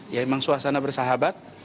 ya emang suasana bersahabat